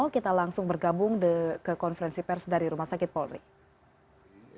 kita langsung bergabung ke konferensi pers dari rumah sakit polri